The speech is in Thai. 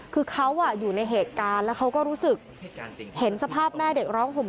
คือเขาอยู่ในเหตุการณ์แล้วเขาก็รู้สึกเห็นสภาพแม่เด็กร้องห่ม